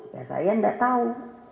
ya saya gak tahu